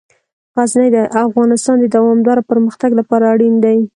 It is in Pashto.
غزني د افغانستان د دوامداره پرمختګ لپاره اړین دي.